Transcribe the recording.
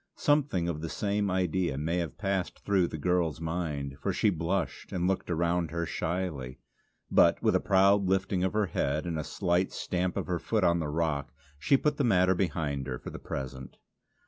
Something of the same idea may have passed through the girl's mind, for she blushed and looked around her shyly; but, with a proud lifting of her head and a slight stamp of her foot on the rock, she put the matter behind her, for the present.